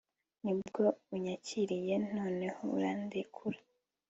nibwo unyakiriye, noneho urandekura